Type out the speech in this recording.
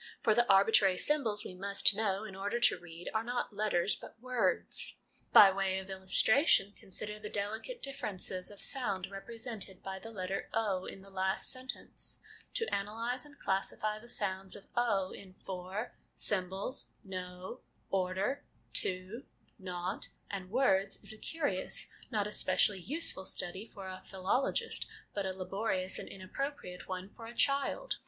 For the arbitrary symbols we must know in order to read are not letters, but words. By way of illustration, consider the delicate differences of sound represented by the letter * o ' in the last sentence ; to analyse and classify the sounds of ' o' in ' for,' ' symbols/ * know/ ' order/ * to/ ' not/ and ' words/ is a curious, not especially useful, study for a philologist, but a labori ous and inappropriate one for a child.